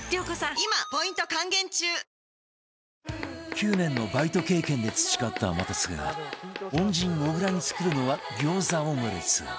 ９年のバイト経験で培った天達が恩人小倉に作るのは餃子オムレツ